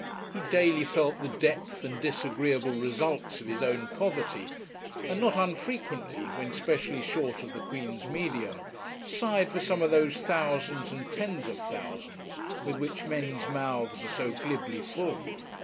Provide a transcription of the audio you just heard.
He daily felt the depth and disagreeable results of his own poverty, and not unfrequently, when specially short of the Queen's medium, sighed for some of those thousands and tens of thousands with which men's mouths are so glibly full.